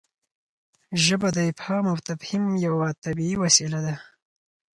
ژبه د افهام او تفهیم یوه طبیعي وسیله ده.